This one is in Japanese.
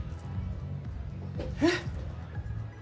えっ？